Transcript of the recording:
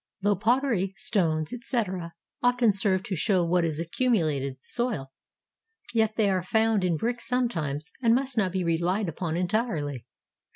Though pottery, stones, etc., often serve to show what is accumulated soil, yet they are found in brick sometimes, and must not be relied upon entirely.